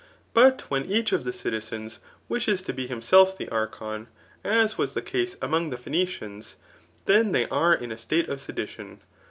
But when each of the citizens wishes to be himself the archon, as was the case among the Phoenicians, then they are in a state of sedition.